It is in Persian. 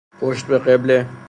پشت بقبله